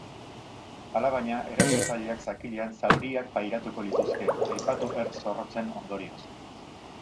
Alabaina, erasotzaileak zakilean zauriak pairatuko lituzke, aipatu ertz zorrotzen ondorioz.